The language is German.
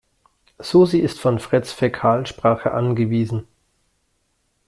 Susi ist von Freds Fäkalsprache angewiesen.